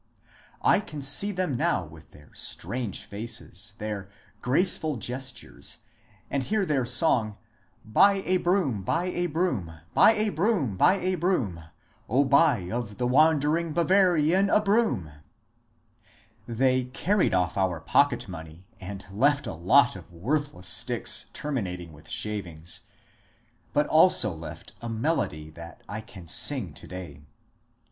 I can see them now with their strange faces, their graceful gestures, and hear their song, — Boy a bro o m, haj a bro o m t Boy a brcMMD, boy a bro o m t O buy of the wandering BavariaQ A Broom t They carried off our pocket money, and left a lot of worth less sticks terminating with shavings, but also left a melody that I can sing to day.